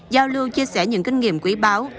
giao lưu chia sẻ những kinh nghiệm quý báo